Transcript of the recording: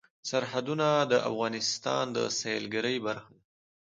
سرحدونه د افغانستان د سیلګرۍ برخه ده.